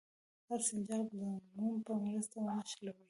هر سنجاق د موم په مرسته ونښلوئ.